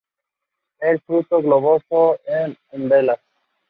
El fruto globoso en umbelas.